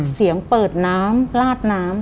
เสียงเปิดน้ำลาดน้ำ